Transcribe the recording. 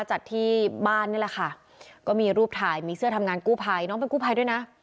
จัดที่บ้านนี่แหละค่ะก็มีรูปถ่ายมีเสื้อทำงานกู้ภัยน้องเป็นกู้ภัยด้วยนะ